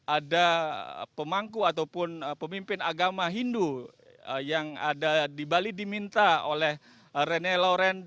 ada pemangku ataupun pemimpin agama hindu yang ada di bali diminta oleh rene lawren